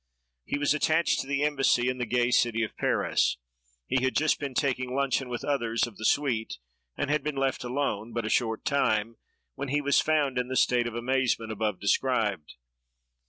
He was attached to the embassy in the gay city of Paris; he had just been taking luncheon with others of the suite, and had been left alone but a short time, when he was found in the state of amazement above described.